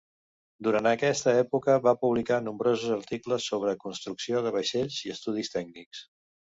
Durant aquesta època va publicar nombrosos articles sobre construcció de vaixells i estudis tècnics.